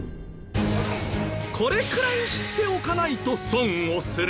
これくらい知っておかないと損をする！？